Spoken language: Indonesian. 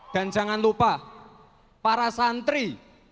dan jangan lupa para santri